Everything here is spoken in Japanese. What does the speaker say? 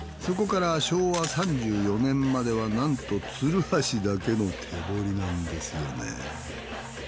そこから昭和３４年まではなんとツルハシだけの手掘りなんですよね。